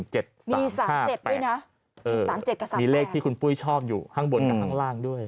๓๗กับ๓๘มีเลขที่คุณปุ๊ยชอบอยู่ข้างบนข้างล่างด้วย